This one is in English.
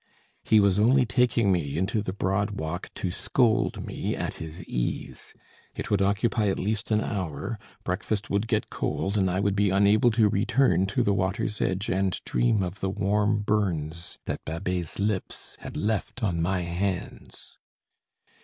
He was only taking me into the broad walk to scold me at his ease. It would occupy at least an hour: breakfast would get cold, and I would be unable to return to the water's edge and dream of the warm burns that Babet's lips had left on my hands.